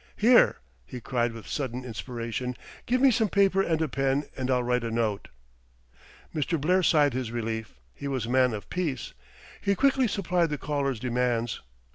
"Here," he cried with sudden inspiration, "give me some paper and a pen, and I'll write a note." Mr. Blair sighed his relief; he was a man of peace. He quickly supplied the caller's demands.